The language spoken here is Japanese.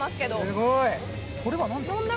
すごい、これは何だ？